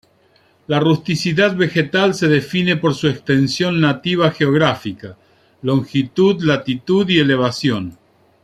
La rusticidad vegetal se define por su extensión nativa geográfica: longitud, latitud y elevación.